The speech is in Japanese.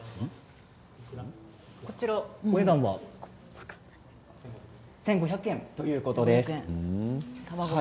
お値段は１５００円ということです。